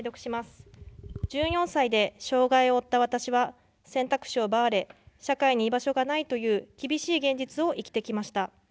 １４歳で障害を負った私は、選択肢を奪われ、社会に居場所がないという厳しい現実を生きてきました。